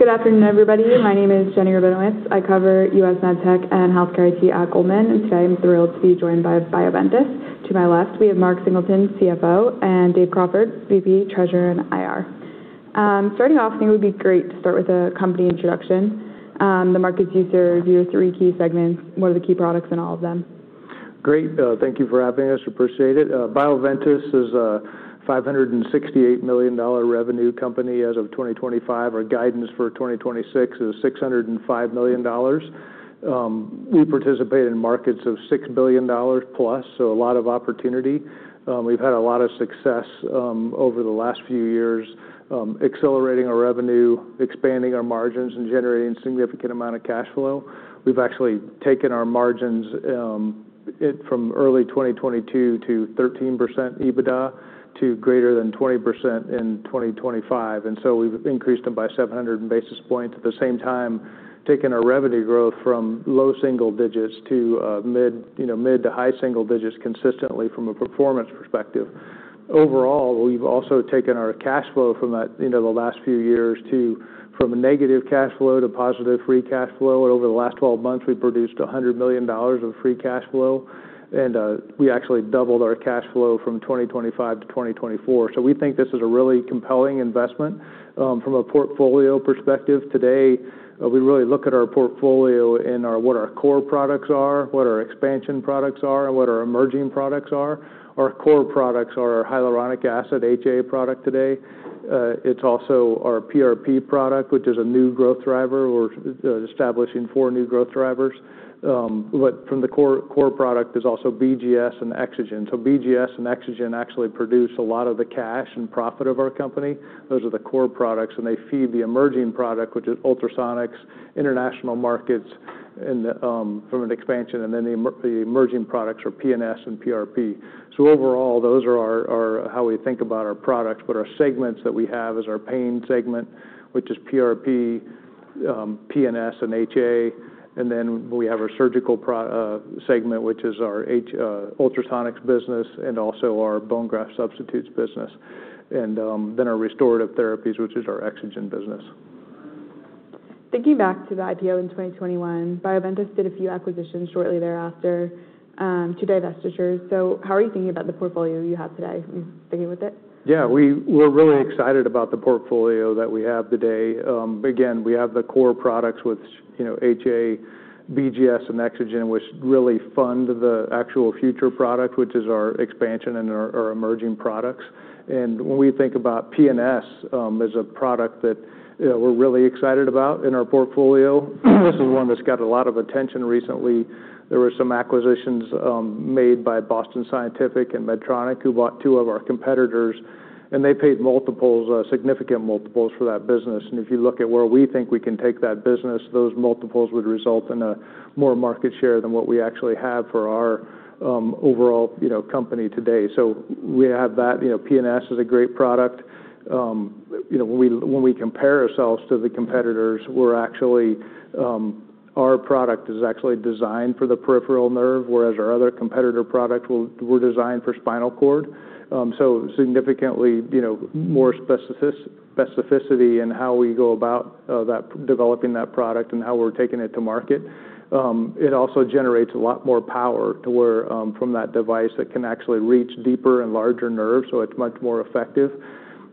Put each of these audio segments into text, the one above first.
Good afternoon, everybody. My name is Jenny Rabinowitz. I cover U.S. Medtech and Healthcare IT at Goldman. Today, I'm thrilled to be joined by Bioventus. To my left, we have Mark Singleton, CFO, and Dave Crawford, VP, Treasurer and IR. Starting off, I think it would be great to start with a company introduction. The markets you are, your three key segments, what are the key products in all of them? Great. Thank you for having us. Appreciate it. Bioventus is a $568 million revenue company as of 2025. Our guidance for 2026 is $605 million. We participate in markets of $6 billion plus. A lot of opportunity. We've had a lot of success over the last few years accelerating our revenue, expanding our margins, and generating significant amount of cash flow. We've actually taken our margins, from early 2022 to 13% EBITDA to greater than 20% in 2025. We've increased them by 700 basis points. At the same time, taken our revenue growth from low single digits to mid to high single digits consistently from a performance perspective. Overall, we've also taken our cash flow from the last few years from a negative cash flow to positive free cash flow. Over the last 12 months, we produced $100 million of free cash flow, and we actually doubled our cash flow from 2025 to 2024. We think this is a really compelling investment. From a portfolio perspective to date, we really look at our portfolio in what our core products are, what our expansion products are, and what our emerging products are. Our core products are our hyaluronic acid, HA, product today. It's also our PRP product, which is a new growth driver. We're establishing four new growth drivers. From the core product, there's also BGS and EXOGEN. BGS and EXOGEN actually produce a lot of the cash and profit of our company. Those are the core products, and they feed the emerging product, which is Ultrasonics, international markets from an expansion, and then the emerging products are PNS and PRP. Overall, those are how we think about our products, but our segments that we have is our Pain segment, which is PRP, PNS, and HA. We have our Surgical segment, which is our Ultrasonics business and also our bone graft substitutes business. Our Restorative Therapies, which is our EXOGEN business. Thinking back to the IPO in 2021, Bioventus did a few acquisitions shortly thereafter, two divestitures. How are you thinking about the portfolio you have today and staying with it? Yeah. We're really excited about the portfolio that we have today. Again, we have the core products, which HA, BGS, and EXOGEN, which really fund the actual future product, which is our expansion and our emerging products. When we think about PNS, as a product that we're really excited about in our portfolio, this is one that's got a lot of attention recently. There were some acquisitions made by Boston Scientific and Medtronic, who bought two of our competitors, and they paid significant multiples for that business. If you look at where we think we can take that business, those multiples would result in more market share than what we actually have for our overall company today. We have that. PNS is a great product. When we compare ourselves to the competitors, our product is actually designed for the peripheral nerve, whereas our other competitor product were designed for spinal cord. Significantly, more specificity in how we go about developing that product and how we're taking it to market. It also generates a lot more power from that device that can actually reach deeper and larger nerves, so it's much more effective.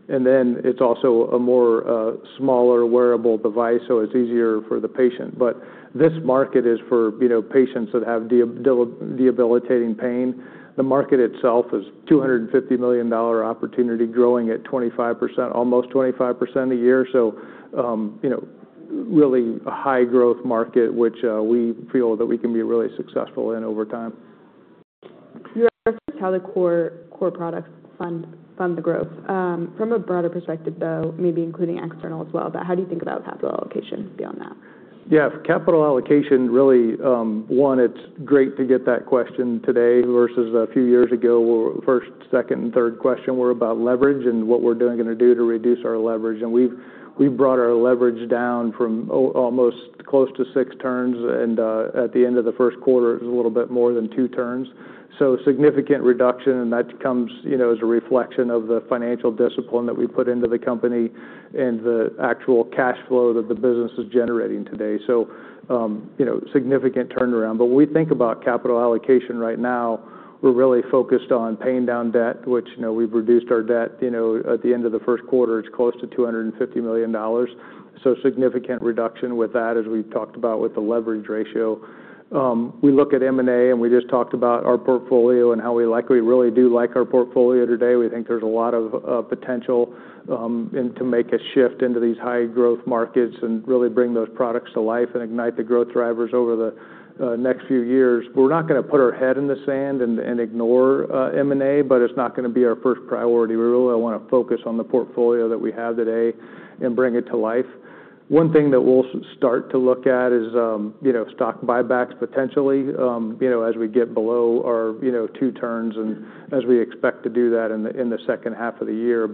Then it's also a more smaller wearable device, so it's easier for the patient. This market is for patients that have debilitating pain. The market itself is a $250 million opportunity growing at almost 25% a year. Really a high growth market, which we feel that we can be really successful in over time. You referenced how the core products fund the growth. From a broader perspective, though, maybe including external as well, how do you think about capital allocation beyond that? For capital allocation, it's great to get that question today versus a few years ago, where first, second, and third question were about leverage and what we're going to do to reduce our leverage. We've brought our leverage down from almost close to six turns, at the end of the first quarter, it was a little bit more than two turns. Significant reduction, that comes as a reflection of the financial discipline that we put into the company and the actual cash flow that the business is generating today. Significant turnaround. When we think about capital allocation right now, we're really focused on paying down debt, which we've reduced our debt. At the end of the first quarter, it's close to $250 million. Significant reduction with that, as we've talked about with the leverage ratio. We look at M&A, we just talked about our portfolio and how we really do like our portfolio today. We think there's a lot of potential to make a shift into these high growth markets and really bring those products to life and ignite the growth drivers over the next few years. We're not going to put our head in the sand and ignore M&A, it's not going to be our first priority. We really want to focus on the portfolio that we have today and bring it to life. One thing that we'll start to look at is stock buybacks potentially, as we get below our two turns and as we expect to do that in the second half of the year.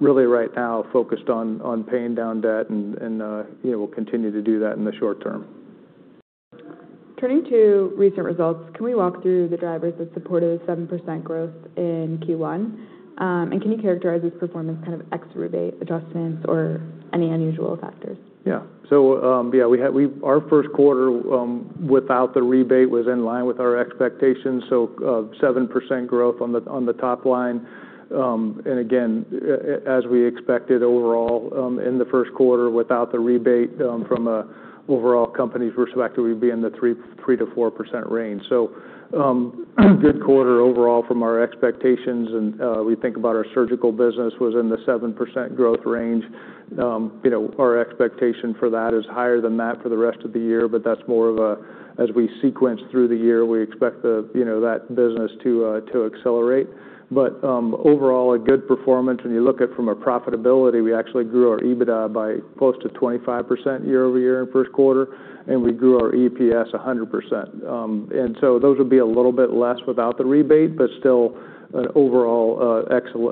Really right now focused on paying down debt and we'll continue to do that in the short term. Turning to recent results, can we walk through the drivers that supported 7% growth in Q1? Can you characterize this performance, kind of ex rebate adjustments or any unusual factors? Our first quarter without the rebate was in line with our expectations. 7% growth on the top line. Again, as we expected overall, in the first quarter without the rebate from an overall company perspective, we'd be in the 3%-4% range. Good quarter overall from our expectations, we think about our surgical business was in the 7% growth range. Our expectation for that is higher than that for the rest of the year, that's more of as we sequence through the year, we expect that business to accelerate. Overall, a good performance. When you look at from a profitability, we actually grew our EBITDA by close to 25% year-over-year in the first quarter, we grew our EPS 100%. Those would be a little bit less without the rebate, but still an overall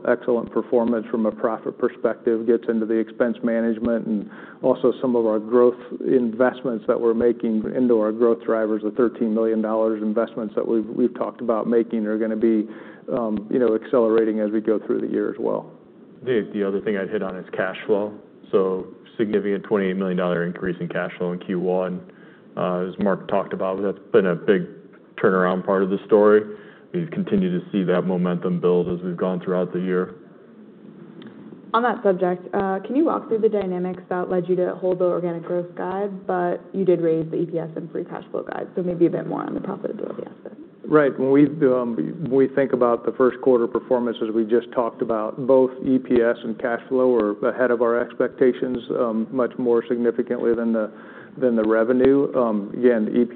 excellent performance from a profit perspective. Gets into the expense management and also some of our growth investments that we're making into our growth drivers, the $13 million investments that we've talked about making are going to be accelerating as we go through the year as well. Dave, the other thing I'd hit on is cash flow. Significant $28 million increase in cash flow in Q1. As Mark talked about, that's been a big turnaround part of the story. We've continued to see that momentum build as we've gone throughout the year. On that subject, can you walk through the dynamics that led you to hold the organic growth guide, but you did raise the EPS and free cash flow guide, so maybe a bit more on the profitability aspect? Right. When we think about the first quarter performance as we just talked about, both EPS and cash flow are ahead of our expectations much more significantly than the revenue. Again, the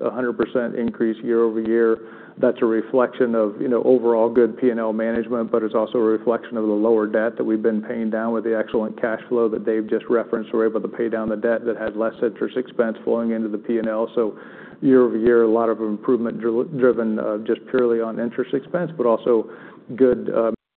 EPS 100% increase year-over-year, that's a reflection of overall good P&L management, but it's also a reflection of the lower debt that we've been paying down with the excellent cash flow that Dave just referenced. We're able to pay down the debt that has less interest expense flowing into the P&L. Year-over-year, a lot of improvement driven just purely on interest expense, but also good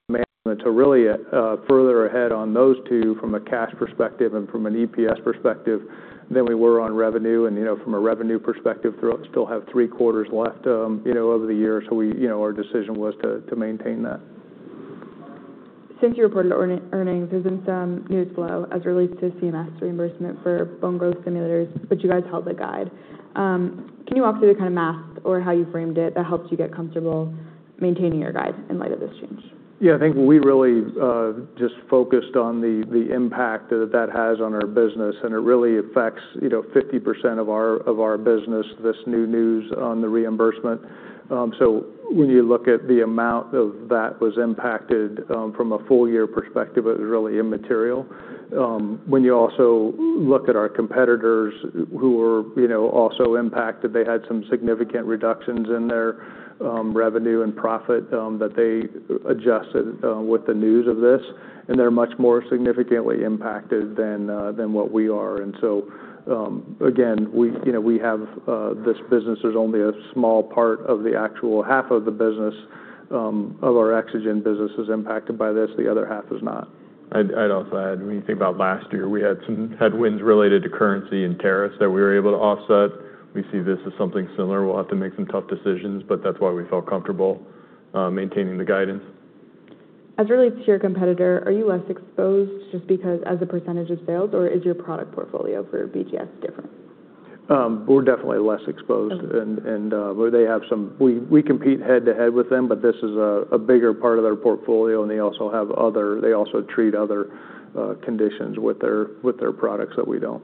management to really get further ahead on those two from a cash perspective and from an EPS perspective than we were on revenue. From a revenue perspective, still have three quarters left over the year. Our decision was to maintain that. Since you reported earnings, there's been some news flow as it relates to CMS reimbursement for bone growth stimulators, you guys held the guide. Can you walk through the kind of math or how you framed it that helped you get comfortable maintaining your guide in light of this change? Yeah, I think we really just focused on the impact that that has on our business, it really affects 50% of our business, this new news on the reimbursement. When you look at the amount of that was impacted from a full-year perspective, it was really immaterial. When you also look at our competitors who were also impacted, they had some significant reductions in their revenue and profit that they adjusted with the news of this, they're much more significantly impacted than what we are. Again, we have this business. There's only a small part of the actual half of the business of our EXOGEN business is impacted by this. The other half is not. I'd also add, when you think about last year, we had some headwinds related to currency and tariffs that we were able to offset. We see this as something similar. We'll have to make some tough decisions, that's why we felt comfortable maintaining the guidance. As it relates to your competitor, are you less exposed just because as a percentage of sales, or is your product portfolio for BGS different? We're definitely less exposed. Okay. We compete head to head with them, but this is a bigger part of their portfolio, and they also treat other conditions with their products that we don't.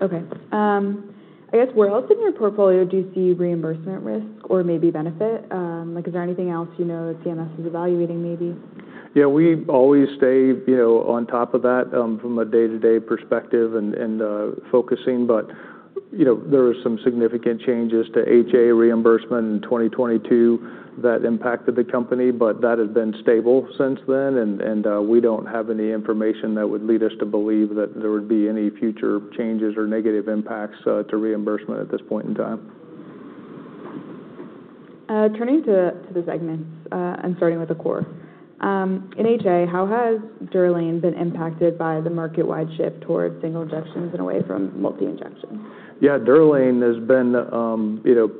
Okay. I guess where else in your portfolio do you see reimbursement risk or maybe benefit? Is there anything else you know CMS is evaluating, maybe? Yeah, we always stay on top of that from a day-to-day perspective and focusing, but there were some significant changes to HA reimbursement in 2022 that impacted the company, but that has been stable since then, and we don't have any information that would lead us to believe that there would be any future changes or negative impacts to reimbursement at this point in time. Turning to the segments and starting with the core. In HA, how has DUROLANE been impacted by the market-wide shift towards single injections and away from multi injections? Yeah, DUROLANE has been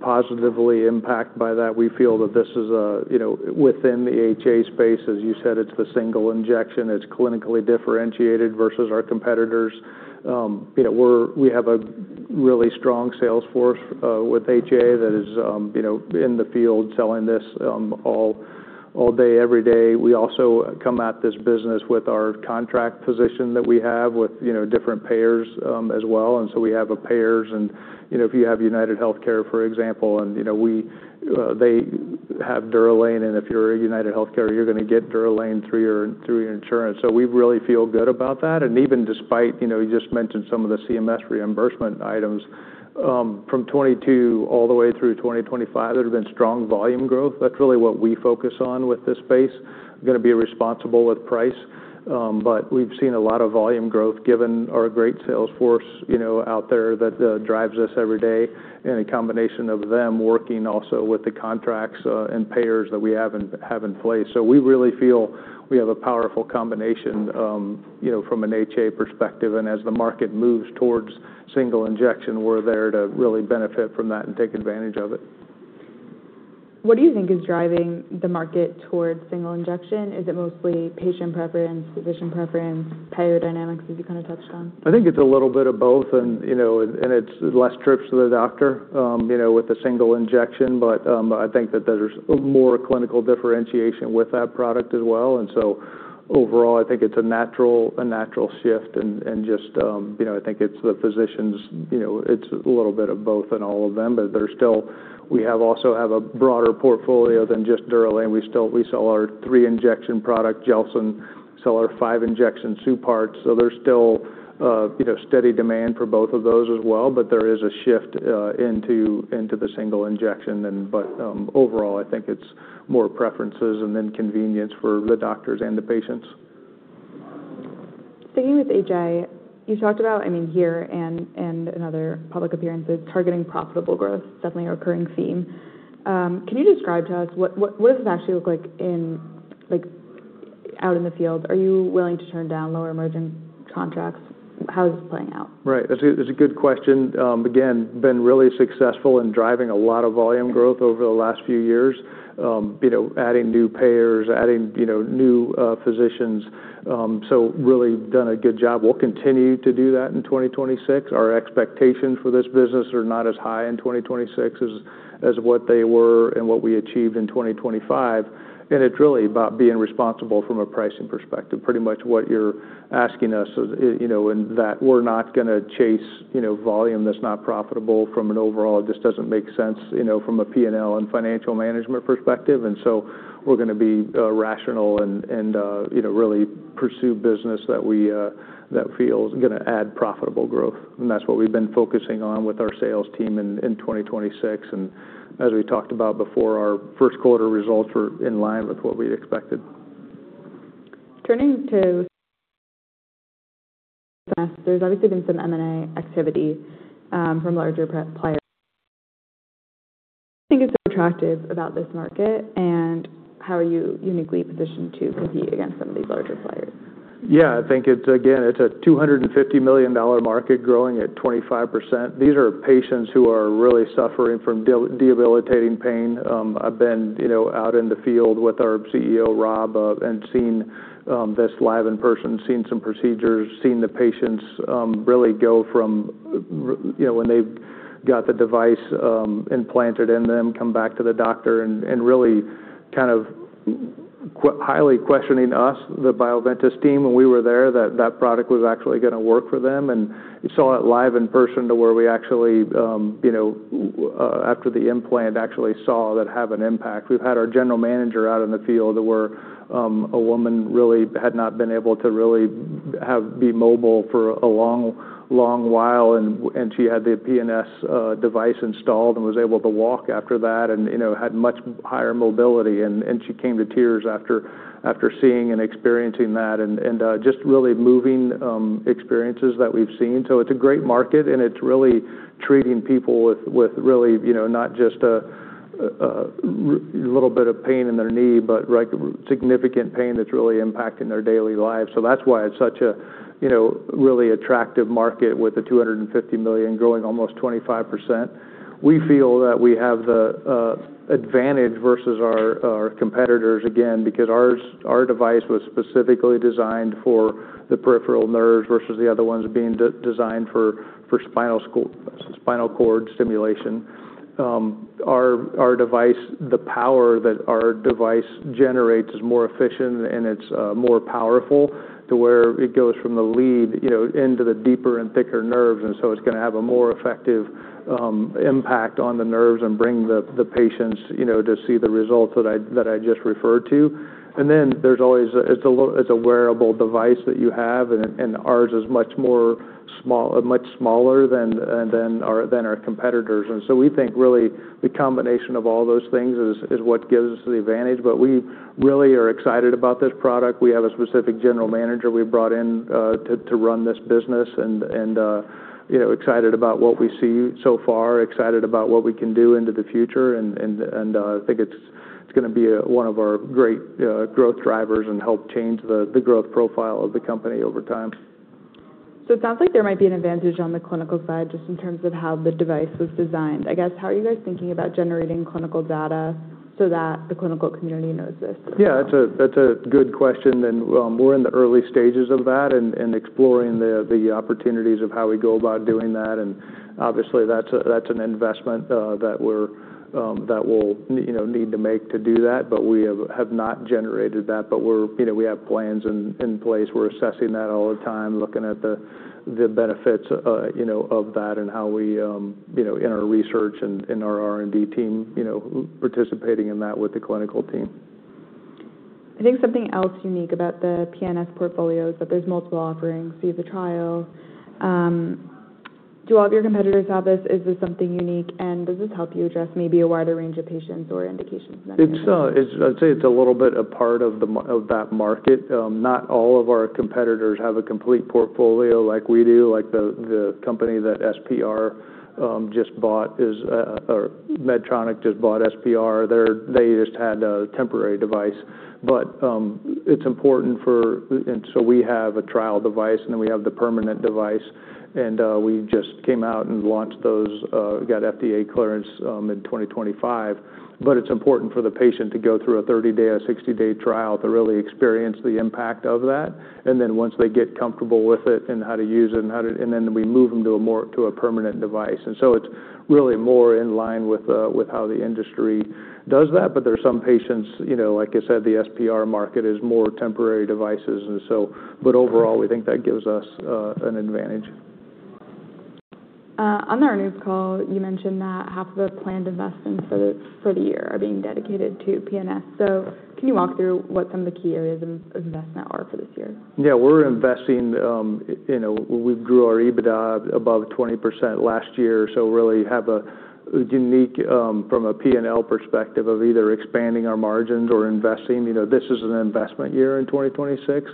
positively impacted by that. We feel that this is within the HA space. As you said, it's the single injection. It's clinically differentiated versus our competitors. We have a really strong sales force with HA that is in the field selling this all day, every day. We also come at this business with our contract position that we have with different payers as well. We have payers, and if you have UnitedHealthcare, for example, and they have DUROLANE, and if you're UnitedHealthcare, you're going to get DUROLANE through your insurance. We really feel good about that. Even despite, you just mentioned some of the CMS reimbursement items. From 2022 all the way through 2025, there has been strong volume growth. That's really what we focus on with this space. Going to be responsible with price, but we've seen a lot of volume growth given our great sales force out there that drives us every day, and a combination of them working also with the contracts and payers that we have in place. We really feel we have a powerful combination from an HA perspective, and as the market moves towards single injection, we're there to really benefit from that and take advantage of it. What do you think is driving the market towards single injection? Is it mostly patient preference, physician preference, payer dynamics, as you kind of touched on? I think it's a little bit of both and it's less trips to the doctor with the single injection. I think that there's more clinical differentiation with that product as well. Overall, I think it's a natural shift and just I think it's the physicians, it's a little bit of both in all of them, but we also have a broader portfolio than just DUROLANE. We sell our three-injection product, GELSYN-3, sell our five-injection, SUPARTZ FX. There's still steady demand for both of those as well, but there is a shift into the single injection. Overall, I think it's more preferences and then convenience for the doctors and the patients. Staying with HA, you talked about, here and in other public appearances, targeting profitable growth, definitely a recurring theme. Can you describe to us what does it actually look like out in the field? Are you willing to turn down lower margin contracts? How is this playing out? Right. That's a good question. Again, been really successful in driving a lot of volume growth over the last few years. Adding new payers, adding new physicians. Really done a good job. We'll continue to do that in 2026. Our expectations for this business are not as high in 2026 as what they were and what we achieved in 2025. It's really about being responsible from a pricing perspective. Pretty much what you're asking us is in that we're not going to chase volume that's not profitable from an overall, it just doesn't make sense from a P&L and financial management perspective. We're going to be rational and really pursue business that feels going to add profitable growth. That's what we've been focusing on with our sales team in 2026. As we talked about before, our first quarter results were in line with what we expected. There's obviously been some M&A activity from larger players. What do you think is attractive about this market, how are you uniquely positioned to compete against some of these larger players? Yeah, I think it's, again, it's a $250 million market growing at 25%. These are patients who are really suffering from debilitating pain. I've been out in the field with our CEO, Rob, and seen this live in person, seen some procedures, seen the patients really go from when they've got the device implanted in them, come back to the doctor and really kind of highly questioning us, the Bioventus team, when we were there, that that product was actually going to work for them. You saw it live in person to where we actually after the implant, actually saw that have an impact. We've had our general manager out in the field where a woman really had not been able to really be mobile for a long while. She had the PNS device installed and was able to walk after that and had much higher mobility. She came to tears after seeing and experiencing that, just really moving experiences that we've seen. It's a great market, it's really treating people with really not just a little bit of pain in their knee, but significant pain that's really impacting their daily lives. That's why it's such a really attractive market with the $250 million growing almost 25%. We feel that we have the advantage versus our competitors, again, because our device was specifically designed for the peripheral nerves versus the other ones being designed for spinal cord stimulation. The power that our device generates is more efficient, and it's more powerful to where it goes from the lead into the deeper and thicker nerves. It's going to have a more effective impact on the nerves and bring the patients to see the results that I just referred to. It's a wearable device that you have, ours is much smaller than our competitors. We think really the combination of all those things is what gives us the advantage. We really are excited about this product. We have a specific general manager we brought in to run this business, excited about what we see so far, excited about what we can do into the future, I think it's going to be one of our great growth drivers and help change the growth profile of the company over time. It sounds like there might be an advantage on the clinical side just in terms of how the device was designed. I guess, how are you guys thinking about generating clinical data so that the clinical community knows this as well? That's a good question, and we're in the early stages of that and exploring the opportunities of how we go about doing that. Obviously, that's an investment that we'll need to make to do that. We have not generated that, but we have plans in place. We're assessing that all the time, looking at the benefits of that and how we, in our research and in our R&D team participating in that with the clinical team. I think something else unique about the PNS portfolio is that there's multiple offerings. There's a trial. Do all of your competitors have this? Is this something unique? Does this help you address maybe a wider range of patients or indications then? I'd say it's a little bit a part of that market. Not all of our competitors have a complete portfolio like we do, like the company that Medtronic just bought SPR. They just had a temporary device. We have a trial device, and then we have the permanent device. We just came out and launched those, got FDA clearance in 2025. It's important for the patient to go through a 30-day or 60-day trial to really experience the impact of that. Then once they get comfortable with it and how to use it, then we move them to a permanent device. It's really more in line with how the industry does that. There's some patients like I said, the SPR market is more temporary devices. Overall, we think that gives us an advantage. On the earnings call, you mentioned that half of the planned investments for the year are being dedicated to PNS. Can you walk through what some of the key areas of investment are for this year? We grew our EBITDA above 20% last year, so really have a unique, from a P&L perspective of either expanding our margins or investing. This is an investment year in 2026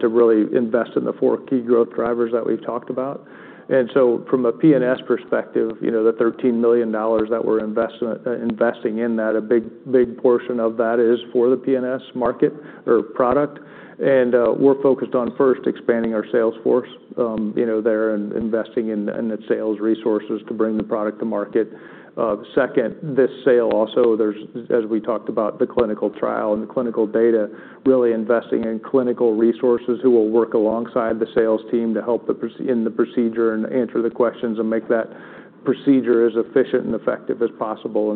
to really invest in the four key growth drivers that we've talked about. From a PNS perspective, the $13 million that we're investing in that, a big portion of that is for the PNS market or product. We're focused on first expanding our sales force there and investing in the sales resources to bring the product to market. Second, this sale also, as we talked about, the clinical trial and the clinical data, really investing in clinical resources who will work alongside the sales team to help in the procedure and answer the questions and make that procedure as efficient and effective as possible.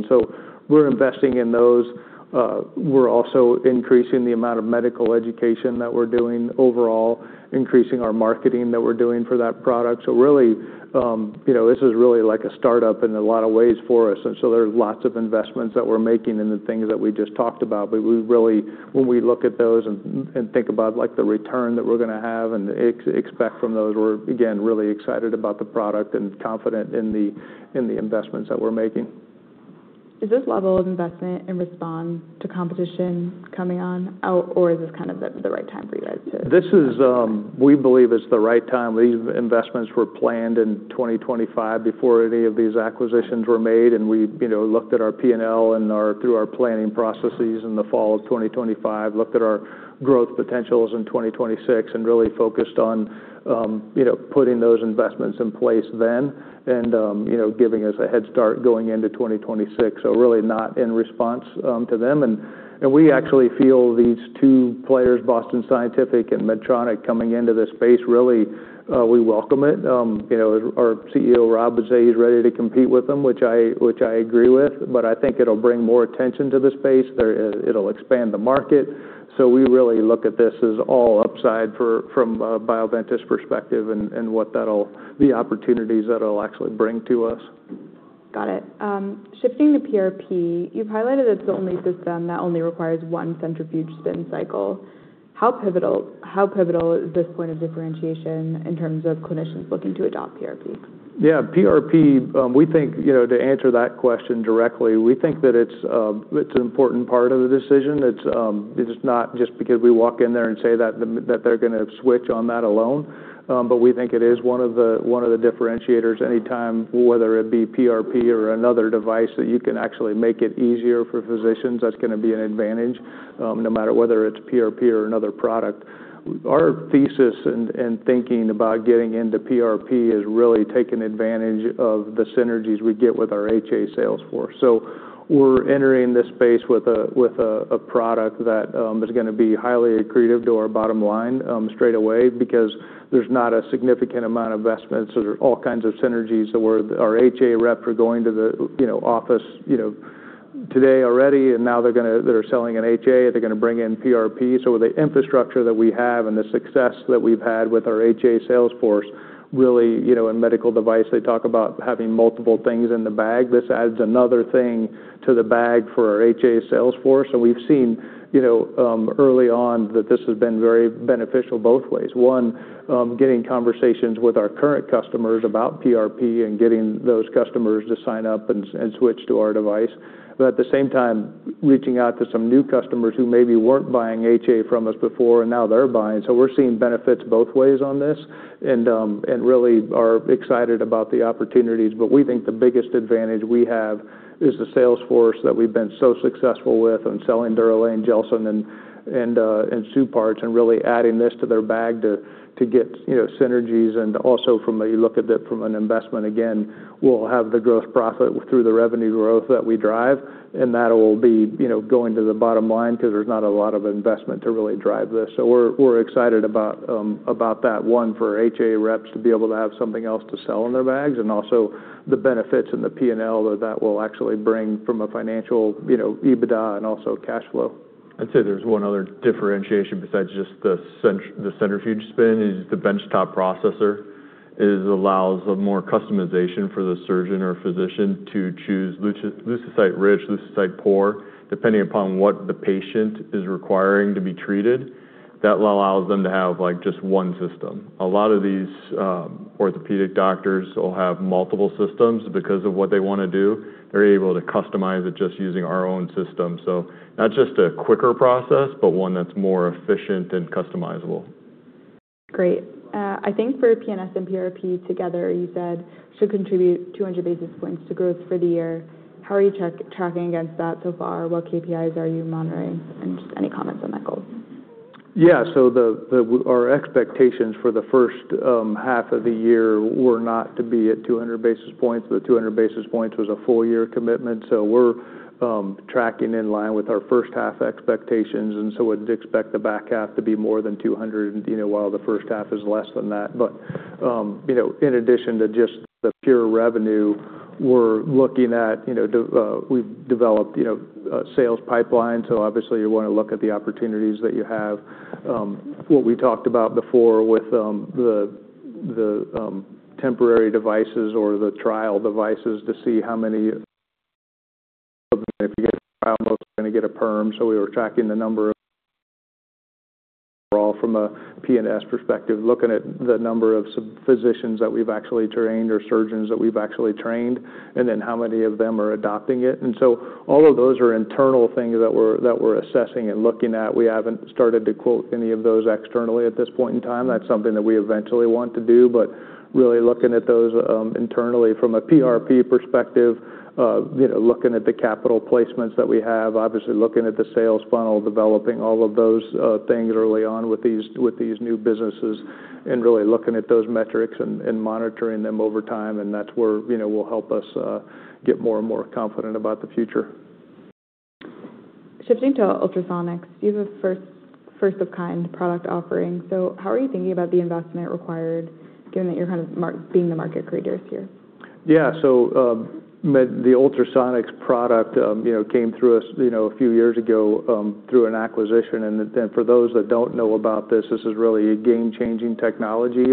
We're investing in those. We're also increasing the amount of medical education that we're doing overall, increasing our marketing that we're doing for that product. Really, this is really like a startup in a lot of ways for us. There are lots of investments that we're making in the things that we just talked about. When we look at those and think about the return that we're going to have and expect from those, we're again, really excited about the product and confident in the investments that we're making. Is this level of investment in response to competition coming on? Is this the right time for you guys to? We believe it's the right time. These investments were planned in 2025 before any of these acquisitions were made, and we looked at our P&L through our planning processes in the fall of 2025, looked at our growth potentials in 2026, and really focused on putting those investments in place then and giving us a head start going into 2026. Really not in response to them. We actually feel these two players, Boston Scientific and Medtronic, coming into this space, really, we welcome it. Our CEO, Rob, would say he's ready to compete with them, which I agree with, but I think it'll bring more attention to the space. It'll expand the market. We really look at this as all upside from a Bioventus perspective and the opportunities that it'll actually bring to us. Got it. Shifting to PRP, you've highlighted it's the only system that only requires one centrifuge spin cycle. How pivotal is this point of differentiation in terms of clinicians looking to adopt PRP? Yeah. To answer that question directly, we think that it's an important part of the decision. It's not just because we walk in there and say that they're going to switch on that alone. We think it is one of the differentiators any time, whether it be PRP or another device that you can actually make it easier for physicians, that's going to be an advantage, no matter whether it's PRP or another product. Our thesis in thinking about getting into PRP is really taking advantage of the synergies we get with our HA sales force. We're entering this space with a product that is going to be highly accretive to our bottom line straight away because there's not a significant amount of investment. There are all kinds of synergies. Our HA reps are going to the office today already, and now they're selling an HA, they're going to bring in PRP. The infrastructure that we have and the success that we've had with our HA sales force, really, in medical device, they talk about having multiple things in the bag. This adds another thing to the bag for our HA sales force. We've seen early on that this has been very beneficial both ways. One, getting conversations with our current customers about PRP and getting those customers to sign up and switch to our device. At the same time, reaching out to some new customers who maybe weren't buying HA from us before, and now they're buying. We're seeing benefits both ways on this and really are excited about the opportunities. We think the biggest advantage we have is the sales force that we've been so successful with in selling DUROLANE, GELSYN-3 and SUPARTZ FX, and really adding this to their bag to get synergies. Also from a look at it from an investment, again, we'll have the growth profit through the revenue growth that we drive, and that will be going to the bottom line because there's not a lot of investment to really drive this. We're excited about that one for HA reps to be able to have something else to sell in their bags and also the benefits and the P&L that will actually bring from a financial EBITDA and also cash flow. I'd say there's one other differentiation besides just the centrifuge spin is the benchtop processor. It allows more customization for the surgeon or physician to choose leukocyte-rich, leukocyte-poor, depending upon what the patient is requiring to be treated. That allows them to have just one system. A lot of these orthopedic doctors will have multiple systems because of what they want to do. They're able to customize it just using our own system. Not just a quicker process, but one that's more efficient and customizable. Great. I think for PNS and PRP together, you said should contribute 200 basis points to growth for the year. How are you tracking against that so far? What KPIs are you monitoring? Just any comments on that goal. Our expectations for the first half of the year were not to be at 200 basis points. The 200 basis points was a full-year commitment. We're tracking in line with our first half expectations, and would expect the back half to be more than 200, while the first half is less than that. In addition to just the pure revenue, we've developed a sales pipeline. Obviously you want to look at the opportunities that you have. What we talked about before with the temporary devices or the trial devices to see how many. If you get a trial, most are going to get a perm. We were tracking the number overall from a PNS perspective, looking at the number of physicians that we've actually trained or surgeons that we've actually trained, and then how many of them are adopting it. All of those are internal things that we're assessing and looking at. We haven't started to quote any of those externally at this point in time. That's something that we eventually want to do, really looking at those internally from a PRP perspective, looking at the capital placements that we have, obviously looking at the sales funnel, developing all of those things early on with these new businesses, really looking at those metrics and monitoring them over time, that's where we'll help us get more and more confident about the future. Shifting to ultrasonics. These are first-of-kind product offerings. How are you thinking about the investment required given that you're being the market creators here? The ultrasonics product came through us a few years ago through an acquisition. For those that don't know about this is really a game-changing technology.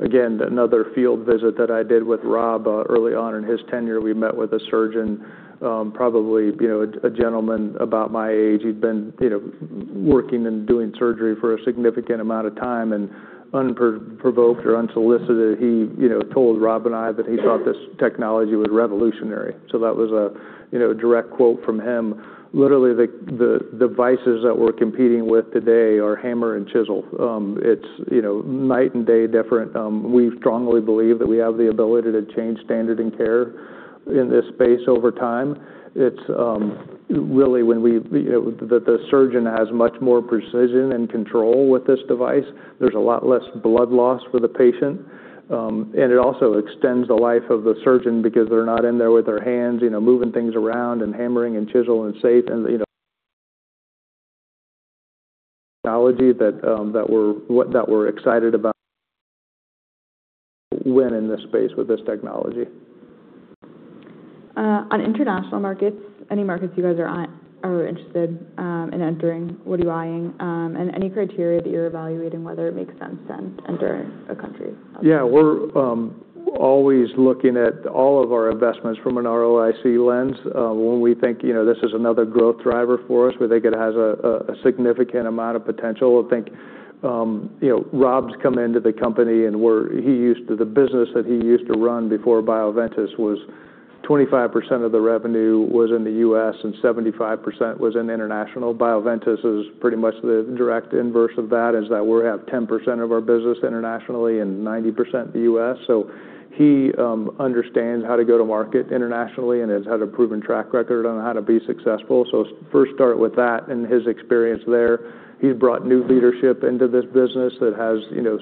Again, another field visit that I did with Rob early on in his tenure, we met with a surgeon, probably a gentleman about my age. He'd been working and doing surgery for a significant amount of time, unprovoked or unsolicited, he told Rob and I that he thought this technology was revolutionary. That was a direct quote from him. Literally, the devices that we're competing with today are hammer and chisel. It's night and day different. We strongly believe that we have the ability to change standard of care in this space over time. The surgeon has much more precision and control with this device. There's a lot less blood loss for the patient. It also extends the life of the surgeon because they're not in there with their hands, moving things around and hammering and chiseling. Safe. Technology that we're excited about. We win in this space with this technology. On international markets, any markets you guys are interested in entering, what are you eyeing? Any criteria that you're evaluating whether it makes sense then entering a country? Yeah. We're always looking at all of our investments from an ROIC lens. When we think this is another growth driver for us, we think it has a significant amount of potential. I think Rob's come into the company and the business that he used to run before Bioventus was 25% of the revenue was in the U.S. and 75% was in international. Bioventus is pretty much the direct inverse of that, is that we have 10% of our business internationally and 90% the U.S. He understands how to go to market internationally and has had a proven track record on how to be successful. First start with that and his experience there. He's brought new leadership into this business that has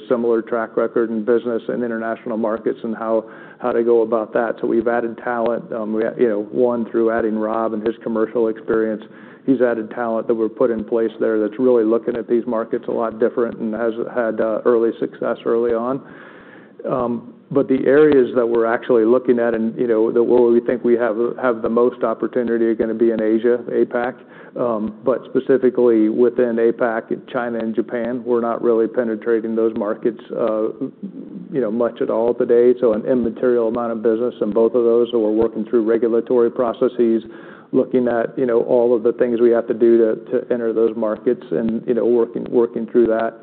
similar track record in business and international markets and how to go about that. We've added talent one, through adding Rob and his commercial experience. He's added talent that we've put in place there that's really looking at these markets a lot different and has had early success early on. The areas that we're actually looking at and that we think we have the most opportunity are going to be in Asia, APAC. Specifically within APAC, China and Japan. We're not really penetrating those markets much at all today. An immaterial amount of business in both of those. We're working through regulatory processes, looking at all of the things we have to do to enter those markets and working through that.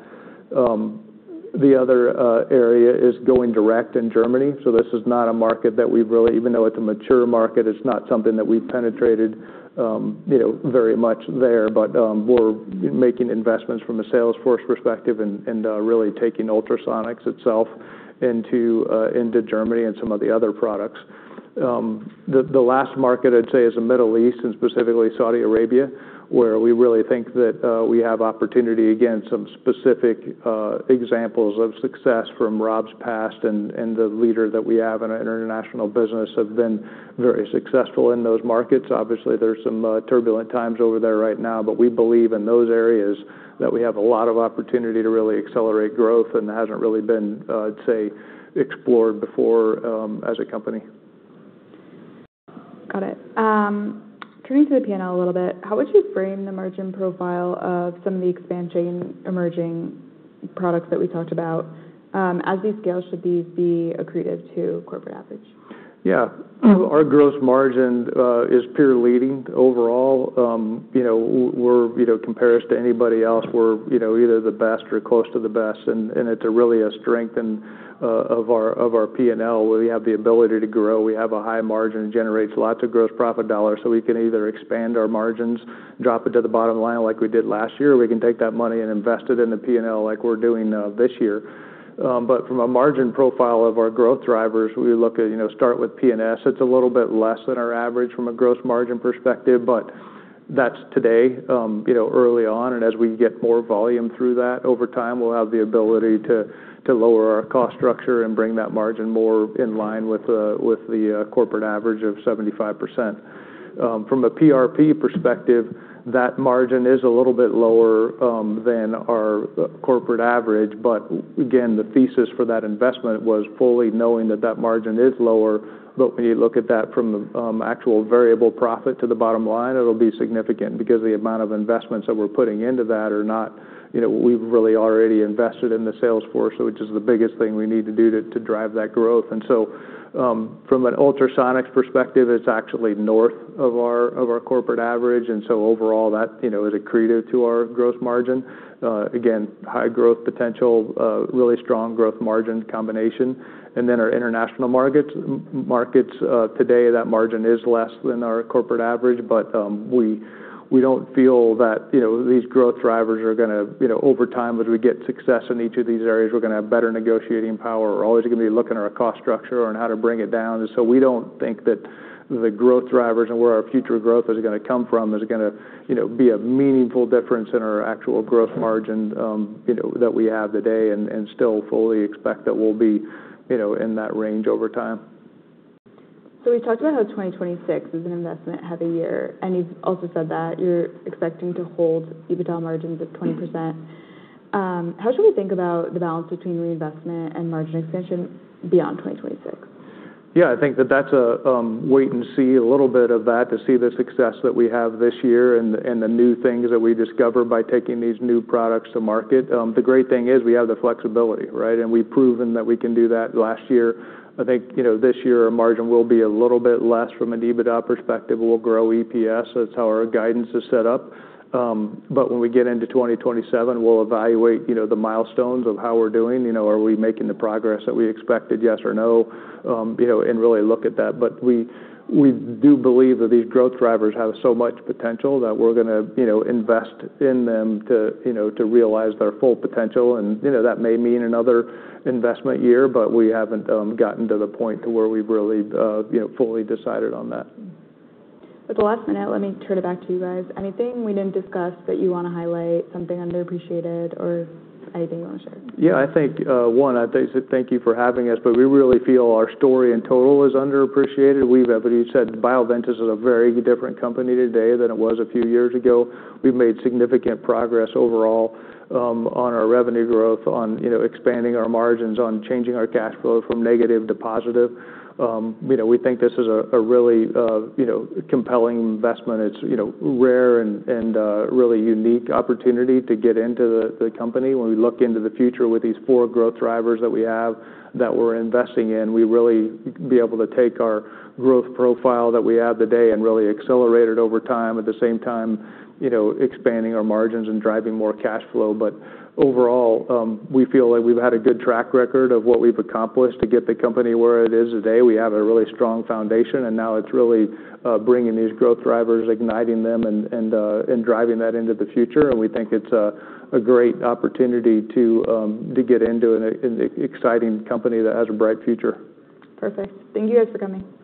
The other area is going direct in Germany. This is not a market that we really, even though it's a mature market, it's not something that we've penetrated very much there. We're making investments from a sales force perspective and really taking Ultrasonics itself into Germany and some of the other products. The last market I'd say is the Middle East and specifically Saudi Arabia, where we really think that we have opportunity. Again, some specific examples of success from Rob's past and the leader that we have in our international business have been very successful in those markets. Obviously, there's some turbulent times over there right now, but we believe in those areas that we have a lot of opportunity to really accelerate growth and hasn't really been, I'd say, explored before as a company. Got it. Turning to the P&L a little bit, how would you frame the margin profile of some of the expansion emerging products that we talked about? As these scale, should these be accretive to corporate average? Yeah. Our gross margin is peer leading overall. Compared to anybody else, we're either the best or close to the best, and it's really a strength of our P&L, where we have the ability to grow. We have a high margin, generates lots of gross profit dollars, so we can either expand our margins, drop it to the bottom line like we did last year, or we can take that money and invest it in the P&L like we're doing this year. From a margin profile of our growth drivers, we start with PNS. It's a little bit less than our average from a gross margin perspective, that's today early on, and as we get more volume through that, over time, we'll have the ability to lower our cost structure and bring that margin more in line with the corporate average of 75%. From a PRP perspective, that margin is a little bit lower than our corporate average. Again, the thesis for that investment was fully knowing that that margin is lower. When you look at that from the actual variable profit to the bottom line, it'll be significant because the amount of investments that we're putting into that, we've really already invested in the sales force, which is the biggest thing we need to do to drive that growth. From an Ultrasonics perspective, it's actually north of our corporate average. Overall, that is accretive to our growth margin. Again, high growth potential, really strong growth margin combination. Our international markets. Markets today, that margin is less than our corporate average, but we don't feel that these growth drivers are going to, over time, as we get success in each of these areas, we're going to have better negotiating power. We're always going to be looking at our cost structure and how to bring it down. We don't think that the growth drivers and where our future growth is going to come from is going to be a meaningful difference in our actual growth margin that we have today and still fully expect that we'll be in that range over time. We talked about how 2026 is an investment-heavy year, and you've also said that you're expecting to hold EBITDA margins at 20%. How should we think about the balance between reinvestment and margin expansion beyond 2026? I think that that's a wait and see a little bit of that to see the success that we have this year and the new things that we discover by taking these new products to market. The great thing is we have the flexibility, right? We've proven that we can do that last year. I think this year our margin will be a little bit less from an EBITDA perspective. We'll grow EPS. That's how our guidance is set up. When we get into 2027, we'll evaluate the milestones of how we're doing. Are we making the progress that we expected, yes or no? Really look at that. We do believe that these growth drivers have so much potential that we're going to invest in them to realize their full potential, and that may mean another investment year, but we haven't gotten to the point to where we've really fully decided on that. With the last minute, let me turn it back to you guys. Anything we didn't discuss that you want to highlight, something underappreciated, or anything you want to share? I think, one, thank you for having us. We really feel our story in total is underappreciated. We've said Bioventus is a very different company today than it was a few years ago. We've made significant progress overall on our revenue growth, on expanding our margins, on changing our cash flow from negative to positive. We think this is a really compelling investment. It's rare and a really unique opportunity to get into the company. When we look into the future with these four growth drivers that we have that we're investing in, we really be able to take our growth profile that we have today and really accelerate it over time. At the same time, expanding our margins and driving more cash flow. Overall, we feel like we've had a good track record of what we've accomplished to get the company where it is today. We have a really strong foundation. Now it's really bringing these growth drivers, igniting them, and driving that into the future. We think it's a great opportunity to get into an exciting company that has a bright future. Perfect. Thank you guys for coming. Thank you.